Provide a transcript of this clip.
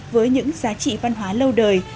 với những giá trị văn hóa lâu đời